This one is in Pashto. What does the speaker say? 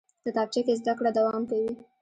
کتابچه کې زده کړه دوام کوي